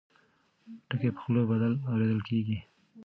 ټکي په خوله بدل اورېدل کېږي.